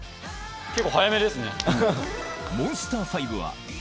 結構速めですね。